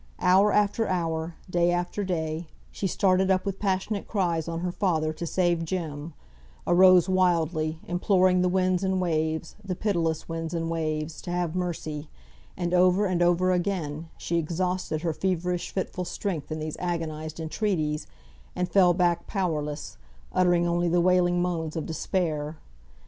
Hour after hour, day after day, she started up with passionate cries on her father to save Jem; or rose wildly, imploring the winds and waves, the pitiless winds and waves, to have mercy; and over and over again she exhausted her feverish fitful strength in these agonised entreaties, and fell back powerless, uttering only the wailing moans of despair.